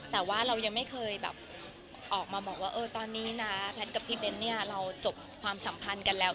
แต่ว่าเรายังไม่เคยแบบออกมาบอกว่าตอนนี้นะแพทย์กับพี่เบ้นเนี่ยเราจบความสัมพันธ์กันแล้ว